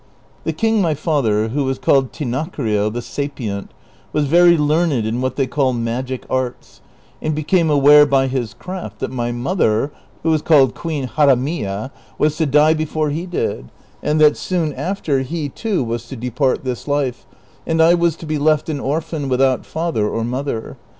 The king my father, who was called Tinacrio the Sajjient, was very learned in what they call magic arts, and became aAvare by his craft that my mother, who was called Queen Jaranrilla, was to die before he did, and that soon after he too Avas to depart this life, and I was to be left an orphan without father or mother.